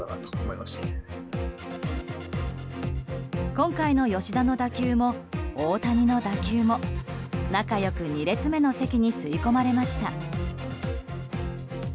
今回の吉田の打球も大谷の打球も仲良く２列目の席に吸い込まれました。